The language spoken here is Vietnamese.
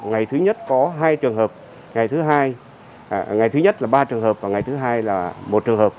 ngày thứ nhất có hai trường hợp ngày thứ nhất là ba trường hợp và ngày thứ hai là một trường hợp